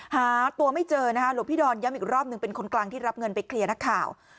หาตัวไม่เจอนะคะหลวงพี่ดอนย้ำอีกรอบหนึ่งเป็นคนกลางที่รับเงินไปเคลียร์นักข่าว